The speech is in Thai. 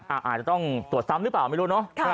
อาจจะต้องตรวจซ้ำหรือเปล่าไม่รู้เนอะ